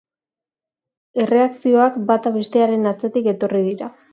Erreakzioak bata bestearen atzetik etorri dira.